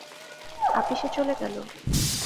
আপিসে চলে গেল।